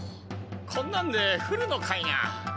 こんなんで降るのかいな。